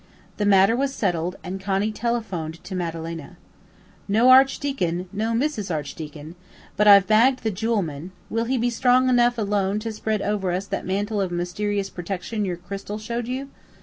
The matter was settled, and Connie telephoned to Madalena. "No Archdeacon; no Mrs. Archdeacon! But I've bagged the jewel man. Will he be strong enough alone to spread over us that mantle of mysterious protection your crystal showed you?"